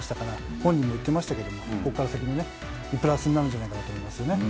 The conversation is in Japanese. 本人も言ってましたけれどもここから先プラスになるんじゃないかなと思いますよね。